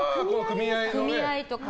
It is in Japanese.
組合とか。